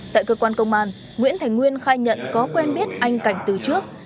tại cơ quan công an nguyễn thành nguyên khai nhận có quen biết anh cảnh từ trước